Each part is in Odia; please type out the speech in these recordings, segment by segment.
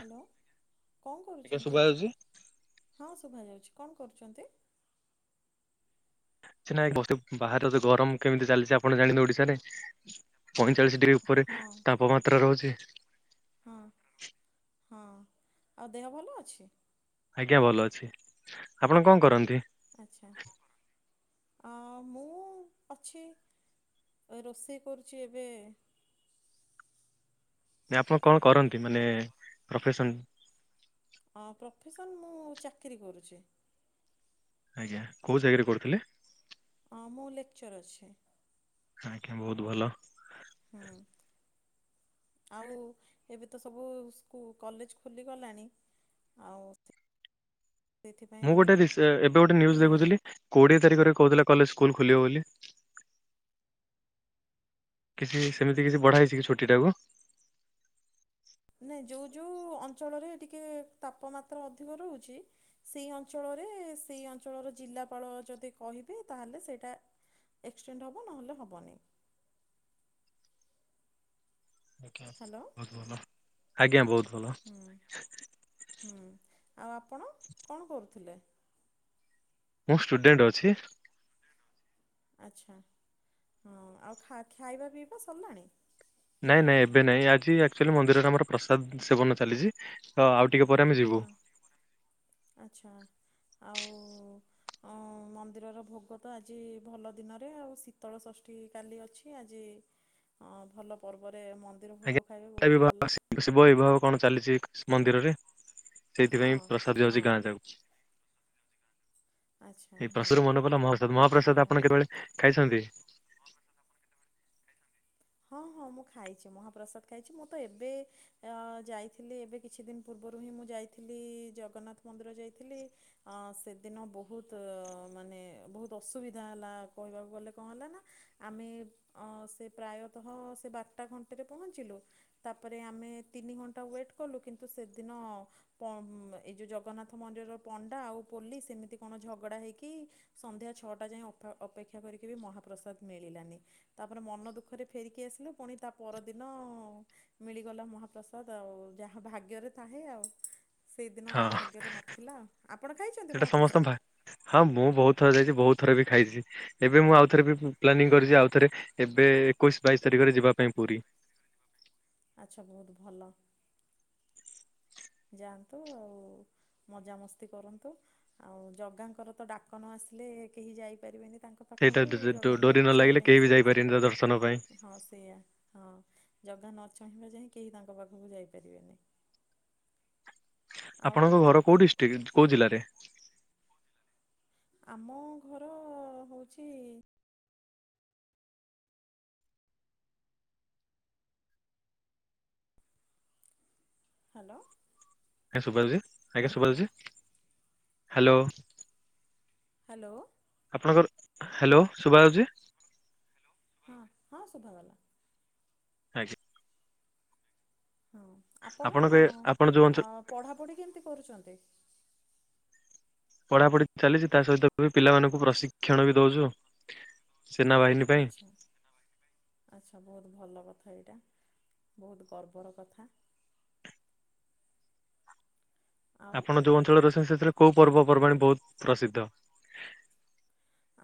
ହ୍ୟାଲୋ କଅଁ ଆଜ୍ଞା କରୁଛନ୍ତି ଶୁଭା ଯାଉଛି? ହଁ ଶୁଭାଯାଉଛି କଣ କରୁଛନ୍ତି? ସେ ନାଇଁ ବସ୍ତୁ ବାହାରେ ତ ଗରମ କେମିତି ଚାଲିଛି ଆପଣ ଜାଣିବେ ଓଡିଶାରେ ପଇଁଚାଳିଶ ଡିଗ୍ରୀ ଉପରେ ହଁ ତାପମାତ୍ରା ରହୁଛି। ହଁ, ହଁ ଆଉ ଦେହ ଭଲ ଅଛି? ଆଜ୍ଞା ଭଲ ଅଛି, ଆପଣ କଣ କରନ୍ତି? ଆଚ୍ଛା। ଆ ମୁଁ ଅଛି ରୋଷେଇ କରୁଚି ଏବେ ନା ଆପଣ କଣ କରନ୍ତି ମାନେ ପ୍ରଫେସନ୍? ହଁ ପ୍ରଫେସନ୍ ମୁଁ ଚାକିରି କରୁଛି। ଆଜ୍ଞା କୋଉ ଜାଗାରେ କରୁଥିଲେ? ହଁ ମୁଁ ଲେକ୍ଚର୍ ଅଛି। ଆଜ୍ଞା ବହୁତ ଭଲ। ହୁଁ। ଆଉ ଏବେ ତ ସବୁ ସ୍କୁ କଲେଜ୍ ଖୋଲିଗଲାଣି। ଆଉ ସେଥିପାଇଁ ମୁଁ ଗୋଟେ ରିସେ ଏବେ ଗୋଟେ ନ୍ୟୁଜ୍ ବୋଲି ଦେଖୁଥିଲି କୋଡିଏ ତାରିଖରେ କହୁଥିଲା କଲେ ସ୍କୁଲ ଖୋଲିବ ବୋଲି। କିଛି ସେମିତି କିଛି ବଢ଼ା ହେଇଛି କି ଛୁଟିଟାକୁ? ନାଇଁ ନାଇଁ ଯଉଁ ଯଉଁ ଅଞ୍ଚଳରେ ଟିକେ ତାପମାତ୍ରା ଅଧିକ ରହୁଛି। ସେଇ ଅଞ୍ଚଳରେ ସେଇ ଅଞ୍ଚଳର ଜିଲ୍ଲାପାଳ ଯଦି କହିବେ ତାହଲେ ସେଇଟା ଏକ୍ସଟେଣ୍ଡ ହେବ ନହେଲେ ହେବନି। ହ୍ୟାଲୋ [unintelligible] ଆଜ୍ଞା ବହୁତ ଭଲ। ହୁଁ ହୁଁ ଆଉ ଆପଣ କ ଣ କରୁଥିଲେ? ମୁଁ ଷ୍ଟୁଡେଣ୍ଟ ଅଛି। ଆଚ୍ଛା ହଁ ଆଉ ଖା-ଖାଇବା ପିଇବା ସରିଲାଣି? ନାଇଁ ନାଇଁ ଏବେ ନାଇଁ ଆଜି ଆକଚୁଆଲି ମନ୍ଦିରରେ ଆମର ପ୍ରସାଦ ସେବନ ଚାଲିଛି। ତ ଆଉ ଟିକେ ପରେ ଆମେ ଯିବୁ। ଅହଁ ଆଚ୍ଛା ଆଉ ଉଁ ମନ୍ଦିରର ଭୋଗ ତ ଆଜି ଭଲ ଦିନରେ ଆଉ ଶୀତଳଷଷ୍ଠୀ କାଲି ଅଛି ଆଜି ହଁ ଭଲ ପର୍ବରେ ମ ଆଜ୍ଞାବା ଶିବ ବିବାହ କଣ ଚାଲିଛି ମନ୍ଦିରରେ ହଁ ସେଇଥିପାଇଁ ପ୍ରସାଦ ହଁ ଯାଉଛି ଗାଁ ଯାକୁ। ଆଚ୍ଛା ଏଇ ହଁ ପ୍ରସଦୁର [unintelligible] ମହାପ୍ରସାଦ ମହାପ୍ରସାଦ ସେଇଆ ଆପଣ ଆଉ। କେତେବେଳେ ଖାଇଛନ୍ତି? ହଁ ହଁ ମୁଁ ଖାଇଛି ମହାପ୍ରସାଦ ଖାଇଛି, ମୁଁ ତ ଏବେ ଯାଇଥିଲି ଏବେ କିଛି ଦିନ ପୂର୍ବରୁ ହିଁ ମୁଁ ଯାଇଥିଲି ଜଗନ୍ନାଥ ମନ୍ଦିର ଯାଇଥିଲି। ଅ ସେଦିନ ବହୁତ ମାନେ ବହୁତ ଅସୁବିଧା ହେଲା କହିବାକୁ ଗଲେ କଣ ହେଲା ନା ଆମେ ଅ ସେ ପ୍ରାୟତଃ ସେ ବାରଟା ଘଣ୍ଟରେ ପହଞ୍ଚିଲୁ। ତା ପରେ ଆମେ ତିନି ଘଣ୍ଟା ୱେଟ୍ କଲୁ କିନ୍ତୁ ସେଦିନ ଏଇ ଯୋଉ ଜଗନ୍ନାଥ ମନ୍ଦିରର ପଣ୍ଡା ଆଉ ପୋଲିସ୍ ସେମିତି କଣ ଝଗଡା ହେଇକି ସନ୍ଧ୍ୟା ଛଅଟା ଯାଇଏ ଅପେକ୍ଷା କରିକି ବି ମହାପ୍ରସାଦ ମିଳିଲାନି, ତାପରେ ମନ ଦୁଃଖରେ ଫେରିକି ଆସିଲୁ ପୁଣି ତା ପରଦିନ ମିଳିଗଲା ମହାପ୍ରସାଦ ଆଉ ଯାହା ଭାଗ୍ୟରେ ଥାଏ ଆଉ। ସେଇଦିନ ହଁ ଆମ ଭାଗ୍ୟରେ ନଥିଲା ଆପଣ ଖାଇଛନ୍ତି ସେଇଟା ସମସ୍ତଙ୍କ ମହାପ୍ରସାଦ? ହଁ ମୁଁ ବହୁତ ଥର ଯାଇଛି ବହୁତ ଥର ବି ଖାଇଛି, ଏବେ ମୁଁ ଆଉ ଥରେ ବି ପ୍ଲାନିଂ କରିଛି ଆଉ ଥରେ ଏବେ ଏକୋଇଶି ବାଇଶି ତାରିଖରେ ଯିବା ପାଇଁ ପୁରୀ। ଆଚ୍ଛା ବହୁତ ଭଲ। ଯାଆନ୍ତୁ ଆଉ ମଜାମସ୍ତି କରନ୍ତୁ। ଆଉ ଜଗାଙ୍କର ତ ଡାକନ ଆସିଲେ କେହି ଯାଇପାରିବେନି ତାଙ୍କ ସେଇଟା ପାଖକୁ ଜଗାଙ୍କ ଡୋରି ନ ଇଚ୍ଛା ଲାଗିଲେ ହେଲେ ହିଁ କେହି ବି ଯାଇପାରିବେନି ତା ଦର୍ଶନ ପାଇଁ। ସମସ୍ତେ ହଁ ସେଇୟା ହଁ ଜଗା ନଚହିଁବା ଯାଇଁ କେହି ତାଙ୍କ ପାଖକୁ ଯାଇପାରିବେନି। ଆଉ ଆପଣଙ୍କ ଘର କୋଉ ଡିଷ୍ଟ୍ରିକ୍ଟ କୋଉ ଜିଲ୍ଲାରେ? ଆମ ଘର ହେଉଛି ହ୍ୟାଲୋ। ହଁ ସୁଭାଯାଉଛି ଆଜ୍ଞା ହ୍ୟାଲୋ ସୁଭାଯାଉଛି ହ୍ୟାଲୋ। ହ୍ୟାଲୋ। ଆପଣଙ୍କର ହ୍ୟାଲୋ ସୁବାଯାଉଛି ହଁ ହଁ ଶୁଭା ଆଜ୍ଞା। ହଁ ଆପଣ ଆପଣଙ୍କ ଆପଣ ଯୋଉ ଅଞ୍ଚଳ ପଢ଼ାପଢ଼ି କେମିତି କରୁଛନ୍ତି? ପଢା ପଢି ଚାଲିଛି ତା ସହିତ ବି ପିଲାମାନଙ୍କୁ ପ୍ରଶିକ୍ଷଣ ବି ଦଉଛୁ। ସେନାବାହିନୀ ପାଇଁ ଆଚ୍ଛା। ଆଚ୍ଛା ବହୁତ ଭଲ କଥା ଏଇଟା ବହୁତ ଗର୍ବର କଥା। ଆଉ ଆପଣ ଯୋଉ ଅଞ୍ଚଳରେ ଅଛନ୍ତି ସେଥିରେ କୋଉ ପର୍ବପର୍ବାଣି ବହୁତ ପ୍ରସିଦ୍ଧ।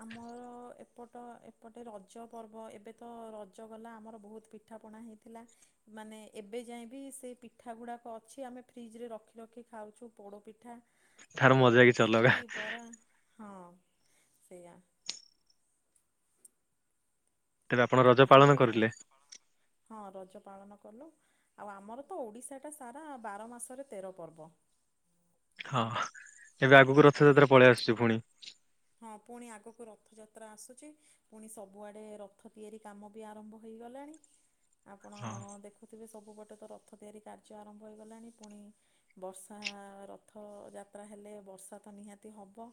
ଆମର ଏପଟ ଏପଟେ ରଜ ପର୍ବ ଏବେ ତ ରଜ ଗଲା ଆମର ବହୁତ ପିଠ ପିଠାପଣା ହେଇଥିଲା ମାନେ ଏବେ ଯାଇଏଁ ବି ସେ ପିଠାଗୁଡ଼ାକ ଅଛି ଆମେ ଫ୍ରିଜରେ ରଖି ରଖି ଖାଉଛୁ ପୋଡ଼ପିଠା। ତାର ଆଉ ମଜା କିଛି ଅଲଗା ଖିରି ପରା ହଁ ସେଇଆ। ତେବେ ଆପଣର ଆଉ ହଁ ରଜ ପାଳନ କଲୁ ଆଉ ଆମର ତ ଓଡ଼ିଶାଟା ସାରା ବାର ମାସରେ ତେର ପର୍ବ। ହଁ ଏବେ ଆଗକୁ ହୁଁ ରଥଯାତ୍ରା ପଳେଇ ଆସୁଛି ପୁଣି। ହଁ ପୁଣି ଆଗକୁ ରଥଯାତ୍ରା ଆସୁଛି ପୁଣି ସବୁଆଡେ ରଥ ତିଆରି କାମ ବି ଆରମ୍ଭ ହେଇଗଲାଣି ଆପଣ ହଁ ଦେଖୁ ଦେଖଥିବେ ସବୁପଟେ ତ ରଥ ତିଆରି କାର୍ଯ୍ୟ ଆରମ୍ଭ ହୋଇଗଲାଣି ପୁଣି ବର୍ଷା ରଥ ଯାତ୍ରା ହେଲେ ବର୍ଷା ତ ନିହାତି ହବ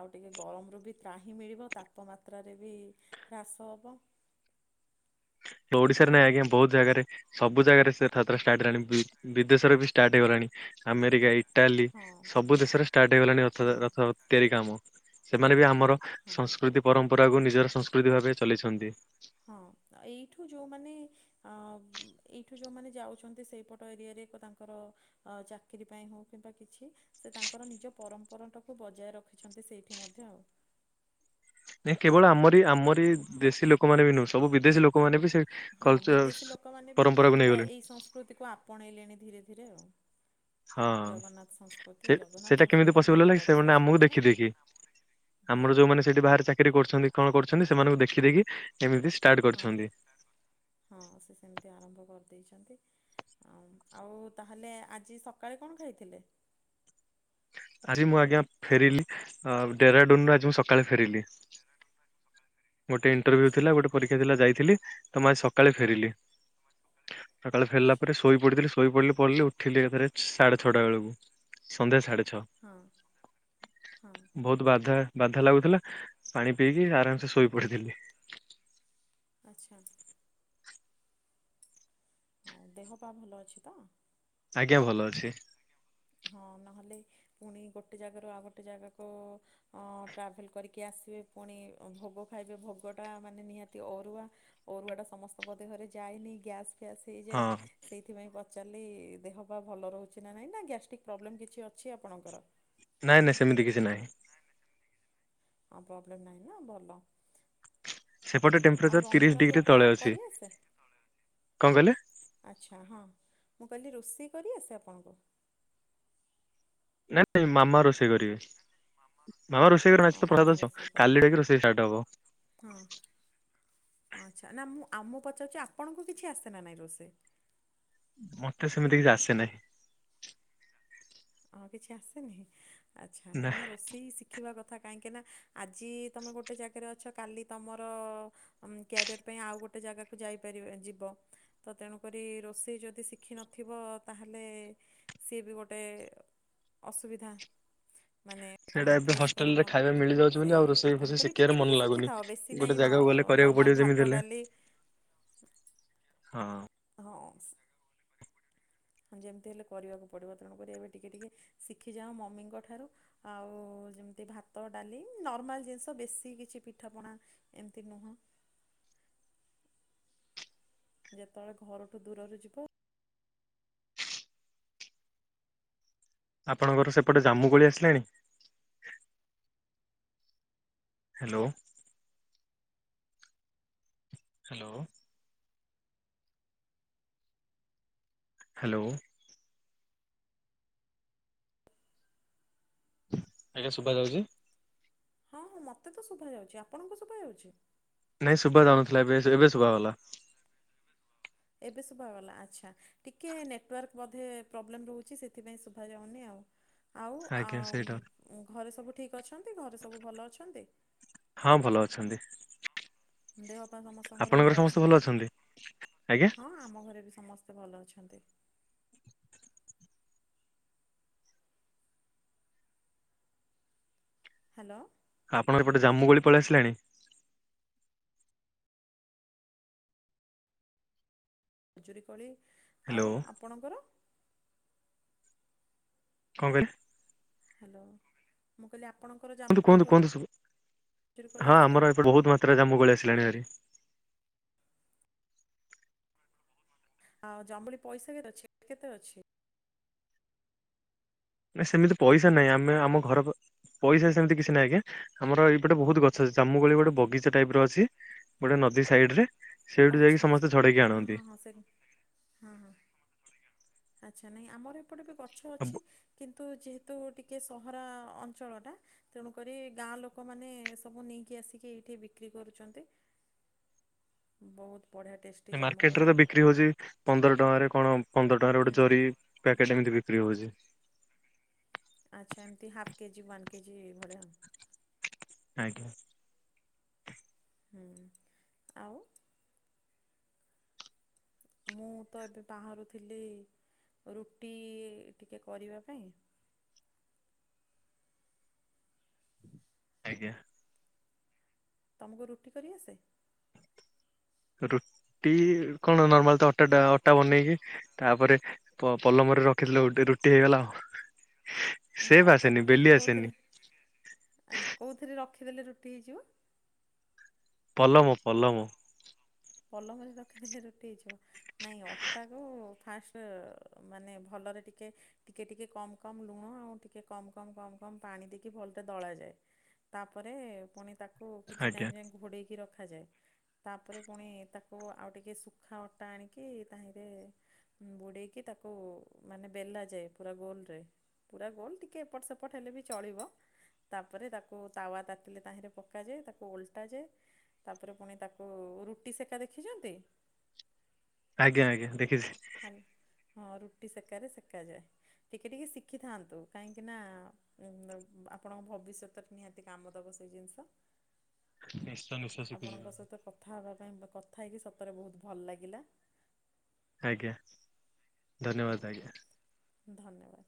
ଆଉ ଟିକେ ଗରମରୁ ବି ତ୍ରାହିଁ ମିଳିବ ତାପମାତ୍ରାରେ ବି ହ୍ରାସ ହେବ। ଓଡିଶାରେ ନାଇଁ ଆଜ୍ଞା ବହୁତ ଜାଗାରେ ସବୁ ଜାଗାରେ ସେ ଛାତ୍ର ଷ୍ଟାର୍ଟ ହେଲାଣି ବି ବିଦେଶରେ ବି ଷ୍ଟାର୍ଟ ହେଇଗଲାଣି ଆମେରିକା ଏଇ ଇଟାଲୀ ହଁ ସବୁ ଦେଶରେ ଷ୍ଟାର୍ଟ ହେଇଗଲାଣି ରଥ ହଁ ରଥ ତିଆରି କାମ ସେମାନେ ବି ଆମର ହଁ। ସଂସ୍କୃତି ପରମ୍ପରାକୁ ନିଜର ସଂସ୍କୃତି ଭାବେ ଚଲେଇଛନ୍ତି। ହଁ ଏଇଠୁ ଯୋଉମାନେ ଆ ଏଇଠୁ ଯୋଉମାନେ ଯାଉଛନ୍ତି ସେଇପଟ ଏରିଆରେ ଏକ ତାଙ୍କର ଅ ଚାକିରି ପାଇଁ ହଉ କିମ୍ବା କିଛି ସେ ତାଙ୍କର ନିଜ ପରମ୍ପରା ଟାକୁ ବଜାୟ ରଖିଛନ୍ତି ସେଇଠି ମଧ୍ୟ ଆଉ ନାଇ କେବଳ ଆମରି ଆମରି ଦେଶୀ ଲୋକମାନେ ବି ନୁହଁ ସବୁ ବିଦେଶୀ ଲୋକମାନେ ବି ସେ ହଁ କଲଚର ବିଦେଶୀ ଲୋକମାନେ ବି ପରମ୍ପରାକୁ ନେଇଗଲେଣି ଏଇ ସଂସ୍କୃତିକୁ ଆପଣେଇଲେଣି ଧୀରେ ଧୀରେ ଆଉ ହଁ ଜଗନ୍ନାଥ ସଂସ୍କୃତି ସେ ଜଗନ୍ନାଥ ସେଇଟା ସଂସ୍କୃତି କେମିତି ତ ପସିବଲ ବହୁତ ହେଲା ବଡ଼ କିସେମାନେ ଆମକୁ ସଂସ୍କୃତି ନା ଦେଖିଦେଇକି। ହଁ ଆମର ଯୋଉମାନେ ସେଠି ବାହାରେ ଚାକିରି କରୁଛନ୍ତି କଣ କରୁଛନ୍ତି ସେମାନଙ୍କୁ ଦେଖିଦେଇକି ଏମିତି ଷ୍ଟାର୍ଟ ହଁ କରିଛନ୍ତି ହଁ ସେ ସେମିତି ଆରମ୍ଭ କରିଦେଇଛନ୍ତି। ହଁ ଆଉ ତାହେଲେ ଆଜି ସକାଳେ କଣ ଖାଇଥିଲେ? ଆଜି ମୁଁ ଆଜ୍ଞା ଫେରିଲି ଡେରାଡୁନୁ ରୁ ଆଜି ମୁଁ ସକାଳେ ଫେରିଲି ଜେରା ନୁଟ [unintelligible] ସକାଳେ ଗୋଟେ ଇଣ୍ଟରଭ୍ୟୁ ଥିଲା ଗୋଟେ ପରୀକ୍ଷା ଥିଲା ଯାଇଥିଲି ତ ମୁ ଆଜି ସକାଳେ ଫେରିଲି। ସକାଳେ ଫେରିଲା ଆଚ୍ଛା ପରେ ଶୋଇ ପଢଥିଲି ଶୋଇ ପଡିଲି ପଢିଲି ଉଠିଲି ଏକା ଥରେ ସାଢେ ଛଅଟା ବେଳକୁ ସନ୍ଧ୍ୟା ସାଢେ ଛଅ ହଁ ହଁ ବହୁତ ବାଧା ବାଧା ଲାଗୁଥିଲା ପାଣି ପିଇକି ଆରାମସେ ଶୋଇ ପଡିଥିଲି। ଆଚ୍ଛା ହଉ ଦେହ ପା ଭଲ ଅଛି ତ? ଆଜ୍ଞା ଭଲ ଅଛି। ହଁ ନହେଲେ ପୁଣି ଗୋଟେ ଜାଗାରୁ ଆଉ ଗୋଟେ ଜାଗାକୁ ଅ -ଟ୍ରାଭେଲ କରିକି ଆସିବେ ପୁଣି ଭୋଗ ଖାଇବେ ଭୋଗଟା ମାନେ ନିହାତି ଅରୁଆ ଅରୁଆ ଟା ସମସ୍ତଙ୍କ ଦେହରେ ଯାଇନି ଗ୍ୟାସ୍ ଫ୍ୟାସ୍ ହଁ ହେଇଯାଏ ସେଇଥିପାଇଁ ପଚାରିଲି ଦେହ ପା ଭଲ ରହୁଛି ନା ନାଇଁ ନା ଗ୍ୟା ଠିକ୍ ପ୍ରୋବ୍ଲେମ୍ କିଛି ଅଛି ଆପଣଙ୍କର। ନାଇଁ ନାଇଁ ସେମିତି କିଛି ନାହିଁ। ହଁ ପ୍ରୋବ୍ଲେମ ନାହିଁ ନା ଭଲ। ସେପଟେ ଆଉ ଟେମ୍ପରେଚର ତିରିଶ ରନ୍ଧାରନ୍ଧି ଡିଗ୍ରୀ ଆପଣ ତଳେ ଅଛି କରିଆସେ? କଣ କହିଲେ ଆଚ୍ଛା ହଁ ମୁଁ କହିଲି ରୋଷେଇ କରି ଆସେ ଆପଣଙ୍କୁ? ନାଇଁ ନାଇଁ ମାମା ରୋଷେଇ କରିବେ। ମାମା ରୋଷେଇ କରି ନାଚ ଆଉ ତ ମାମା ପ୍ରସାଦ ରୋଷେଇ ଅଛ କାଲି କରନ୍ତେ ଡକି ରୋଷେଇ ଷ୍ଟାର୍ଟ ହବ ହଁ ଆଚ୍ଛା ନା ମୁଁ ଆ ମୁକୁ ପଚାରୁଛି ଆପଣଙ୍କୁ କିଛି ଆସେନା ନାହିଁ ରୋଷେଇ ମତେ ସେମିତି କିଛି ଆସେ ନାହିଁ। ହଁ କିଛି ଆସେନି ଆଚ୍ଛା ନାଇଁ ମାନେ ରୋଷେଇ ସି ଖିବା କଥା କାହିଁକିନା ଆଜି ତୁମେ ଗୋଟେ ଜାଗାରେ ଅଛ କାଲି ତମର କ୍ୟାରିଅର ପାଇଁ ଆଉ ଗୋଟେ ଜାଗାକୁ ଯାଇପାରିବ ଯିବ ତ ତେଣୁକରି ରୋଷେଇ ଯଦି ଶିଖିନଥିବ ତାହେଲେ ସିଏ ବି ଗୋଟେ ଅସୁବିଧା ମାନେ ସେଇଟା ତମେ ଏବେ ଫେସ୍ ହଷ୍ଟେଲରେ କରିବ। ଖାଇବା ମିଳିଯାଉଛି ସେ ବୋଲି ଆଉ ରୋଷେଇ ଫୋଷେଇ ତେଣୁକରି ଶିଖିବାରେ ଟିକେ ମନ ଟିକେ ଲାଗୁନି। ଶିଖିଥାଅ। ବେଶୀ ଗୋଟେ ନାଇଁ ଜାଗାକୁ ଗଲେ କରିବାକୁ ପଡିବ ନର୍ମାଲ ଯେମିତି ଭାତ ହେଲେ ଡାଲି ହଁ। ହଁ। ହଁ ଯେମିତି ହେଲେ କରିବାକୁ ପଡ଼ିବ। ତେଣୁ କରି ଏବେ ଟିକେ ଟିକେ ଶିଖିଯାଓ ମମିଙ୍କ ଠାରୁ। ଆଉ ଯେମିତି ଭାତ ଡାଲି ନର୍ମାଲ ଜିନିଷ ବେଶୀ କିଛି ପିଠାପଣା ଏମତି ନୁହଁ। ଯେତେବେଳେ ଘରଠୁ ଦୂରରେ ଯିବ ଆପଣଙ୍କର ସେପଟେ ଜାମ୍ମୁକୋଳି ଆସିଲାଣି? ହ୍ୟାଲୋ। ହାଲୋ। ହାଲୋ। ଆଜ୍ଞା ଶୁବା ଯାଉଚି? ହଁ ହଁ ମୋତେ ତ ଶୁଭା ଯାଉଚି। ଆପଣଙ୍କୁ ଶୁଭା ଯାଉଚି? ନାଇଁ ଶୁବା ଯାଉନଥିଲା ଏବେ, ଏବେ ଶୁବା ଗଲା। ଏବେ ଶୁବା ଗଲା ଆଚ୍ଛା। ଟିକେ ନେଟୱାର୍କ ବୋଧେ ପ୍ରୋବ୍ଲେମ୍ ରହୁଚି ସେଥିପାଇଁ ଶୁବାଯାଉନି ଆଉ। ଆଉ ଆଜ୍ଞା ଆମ୍ ସେଇଟା। ଘରେ ସବୁ ଠିକ୍ ଅଛନ୍ତି ଘରେ ସବୁ ଭଲ ଅଛନ୍ତି? ହଁ ଭଲ ଅଛନ୍ତି। ଦେହ ପା ସମସ୍ତଙ୍କର ଆପଣଙ୍କର ଭଲ ସମସ୍ତେ ଅଛି ନା? ଅଛନ୍ତି ଆଜ୍ଞା। ହଁ ଆମ ଘରେ ବି ସମସ୍ ଭଲ ଅଛନ୍ତି। ହାଲୋ। ଆଉ ଆପଣଙ୍କ ଏପଟେ ଜାମ୍ମୁ କୋଳି ପଳେଇ ଆସିଲାଣି? ଖଜୁରୀ କୋଳି। ହ୍ୟାଲୋ ଆଉ ଆପଣଙ୍କର? କଣ କହିଲେ? ହାଲୋ। ମୁଁ କହିଲି ଆପଣଙ୍କର କୁହନ୍ତୁ ଜାମୁକୋଳି କୁହନ୍ତୁ କୁହନ୍ତୁ ସବୁ ଖଜୁରୀ କୋଳି ଆସିଲାଣି? ଜାମ୍ମୁ କୋଳି ଆସିଲାଣି ଭାରି। ଆଉ [unintelligible] ପଇସା କେତେ ଅଛି କେତେ ଅଛି? ନା ସେମିତି ପଇସା ନାଇଁ। ଆମେ ଆମ ଘର ପଇସା ସେମିତି କିଛି ନାହିଁ ଆଜ୍ଞା। ଆମର ଏଇପଟେ ବହୁତ ଗଛ ଅଛି ଜାମୁ କୋଳି ଗୋଟେ ବଗିଚା ଟାଇପ୍ ର ଅଛି। ଗୋଟେ ନଦୀ ସାଇଡ୍ ରେ। ଓ ସେଇଠୁ ଯାଇକି ଆଚ୍ଛା ଆଚ୍ଛା। ସମସ୍ତେ ଝଡେଇକି ଆଣନ୍ତି ହଁ ହଁ ସେ ହଁ ହଁ। ଆଚ୍ଛା ନାଇଁ ଆମର ଏପଟେ ବି ଗଛ ଅଛି। କିନ୍ତୁ ଯେହେତୁ ଟିକେ ସହରା ଅଞ୍ଚଳଟା ତେଣୁକରି ଗାଁ ଲୋକମାନେ ସବୁ ନେଇକି ଆସିକି ଏଇଠି ବିକ୍ରି କରୁଚନ୍ତି। ବହୁତ ବଢ଼ିଆ ଟେଷ୍ଟ ମାର୍କେଟ ରେ ତ ବିକ୍ରି ହଉଚି ପନ୍ଦର ଟଙ୍କାରେ କଣ ପନ୍ଦର ଟଙ୍କାରେ ଗୋଟେ ହୁଁ ଜରି। ପ୍ୟାକେଟ୍ ଏମିତି ବିକ୍ରି ହଉଚି। ଆଚ୍ଛା ଏମତି ହାଫ୍ କେଜି ୱାନ୍ କେଜି ଏଇ ଭଳିଆ ଆଉ। ଆଜ୍ଞା। ହୁଁ। ଆଉ ମୁଁ ତ ଏବେ ବାହାରୁଥିଲି ରୁଟି ଟିକେ କରିବା ପାଇଁ ଆଜ୍ଞା। ତମକୁ ରୁଟି କରିଆସେ? ରୁଟି କଣ ନର୍ମାଲ ତ ଅଟା ଟା ଅଟା ବନେଇକି ତାପରେ ପ ପଲମରେ ରଖିଥିଲେ ରୁଟି ହେଇଗଲା ଆଉ ସେ ବି ଆସେନି ବେଲି ଆସେନି। ଆ କୋଉଥିରେ ରଖିଦେଲେ ରୁଟି ହେଇଯିବ? ପଲମ ପଲମ। ପଲମରେ ରଖିଦେଲେ ରୁଟି ହେଇଯିବ। ନାଇଁ ଅଟାକୁ ଫାଷ୍ଟ ମାନେ ଭଲରେ ଟିକେ ଟିକେ ଟିକେ କମ କମ ଲୁଣ ଆଉ ଟିକେ କମ କମ କମ କମ ପାଣି ଦେଇକି ଭଲରେ ଦଳାଯାଏ। ତାପରେ ପୁଣି ତାକୁ କିଛି ଟାଇମ ଆଜ୍ଞା ଯାଏ ଘୋଡେଇକି ରଖାଯାଏ ତାପରେ ପୁଣି ତାକୁ ଆଉ ଟିକେ ଶୁଖା ଅଟା ଆଣିକି ତାହିଁରେ ବୁଡେଇକି ତାକୁ ମାନେ ବେଲା ଯାଏ ପୁରା ଗୋଲରେ। ପୁରା ଗୋଲ ଟିକିଏ ଏପଟ ସେପଟ ହେଲେ ବି ଚଳିବ। ତାପରେ ତାକୁ ତାୱା ତାତିଲେ ତାହିଁରେ ପକାଯାଏ ତାକୁ ଓଲଟାଯାଏ। ତାପରେ ପୁଣି ତାକୁ ରୁଟି ସେକା ଦେଖିଛନ୍ତି? ଆଜ୍ଞା ଆଜ୍ଞା ଦେଖିଛି। ଖାଲି ହଁ ରୁଟି ସେକାରେ ସେକାଯାଏ ଟିକେ ଟିକେ ଶିଖିଥାନ୍ତୁ କାହିଁକିନା? ଆପଣଙ୍କ ଭବିଷ୍ୟତରେ ନିହାତି କାମ ଦେବ ସେଇ ଜିନିଷ। [inaudible] ନିଶ୍ଚୟ ନିଶ୍ଚୟ ଶିଖିଯିବ ଆପଣଙ୍କ ସହିତ କଥା ହେବା ପାଇଁ କଥା ହେଇକି ସତରେ ବହୁତ ଭଲ ଲାଗିଲା। ଆଜ୍ଞା ହଁ ଧନ୍ୟବାଦ ଆଜ୍ଞା। ଧନ୍ୟବାଦ।